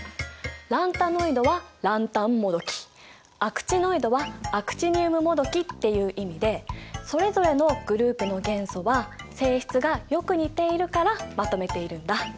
ランタノイドはランタンもどきアクチノイドはアクチニウムもどきっていう意味でそれぞれのグループの元素は性質がよく似ているからまとめているんだ。